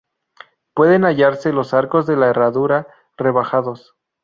Pueden hallarse los arcos de herradura rebajados.